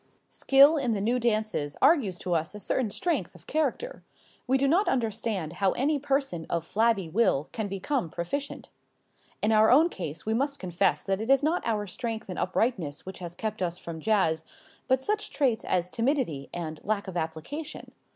Skill in the new dances argues to us a certain strength of character. We do not understand how any person of flabby will can become proficient. In our own case we must confess that it is not our strength and uprightness which has kept us from jazz, but such traits as timidity and lack of application.